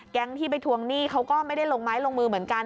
ที่ไปทวงหนี้เขาก็ไม่ได้ลงไม้ลงมือเหมือนกัน